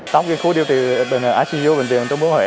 trong khu điều trị icu bình tuyên tôn bước huệ